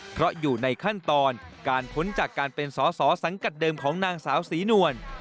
เพราะอยู่ในขั้นตอนการพ้นจากการเป็นสอสอสังกัดเดิมของนางสาวศรีนวล